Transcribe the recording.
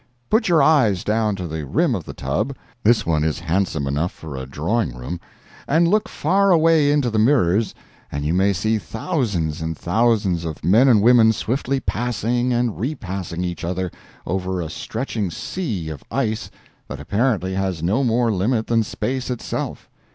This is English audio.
Put your eyes down to the rim of the tub (this one is handsome enough for a drawing room,) and look far away into the mirrors, and you may see thousands and thousands of men and women swiftly passing and repassing each other, over a stretching sea of ice that apparently has no more limit than space itself.